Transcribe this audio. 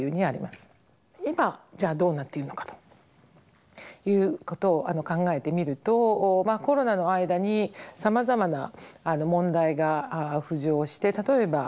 今じゃあどうなっているのかということを考えてみるとコロナの間にさまざまな問題が浮上して例えば人種差別問題がありました。